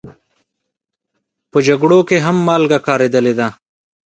په جګړو کې هم مالګه کارېدلې ده.